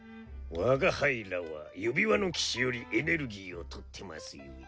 我が輩らは指輪の騎士よりエネルギーをとってますゆえ。